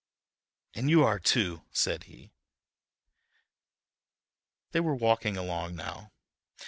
"And you are, too," said he. They were walking along now.